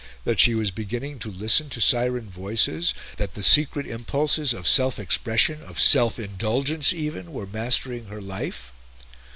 That she was beginning to listen to siren voices? That the secret impulses of self expression, of self indulgence even, were mastering her life?